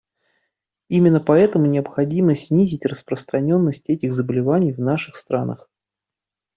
Именно поэтому необходимо снизить распространенность этих заболеваний в наших странах.